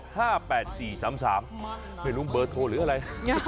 ไม่รู้เบอร์โทรหรืออะไร